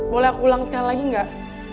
boleh aku ulang sekali lagi nggak